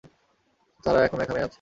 তারা এখনো এখানেই আছে।